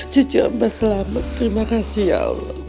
jujur amat selamat terima kasih ya allah